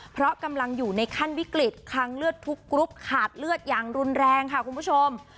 เพราะกำลังอยู่ในขั้นวิกฤตคังเลือดทุกกรุ๊ปขาดเลือดอย่างรุนแรงค่ะคุณผู้ชม